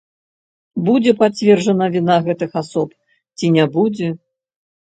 Будзе пацверджана віна гэтых асоб ці не будзе.